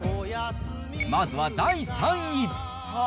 まずは第３位。